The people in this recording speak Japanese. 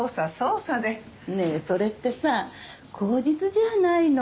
ねえそれってさ口実じゃないの？